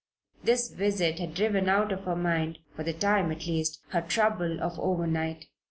This visit had driven out of her mind for the time, at least her trouble of overnight.